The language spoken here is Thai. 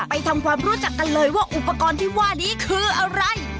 ทำความรู้จักกันเลยว่าอุปกรณ์ที่ว่านี้คืออะไร